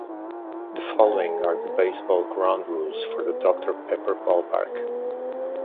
The following are the baseball ground rules for the Doctor Pepper Ballpark.